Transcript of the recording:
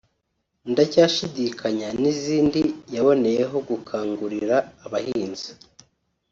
‘Ndacyashidikanya’ n’izindi yaboneyeho gukangurira abahanzi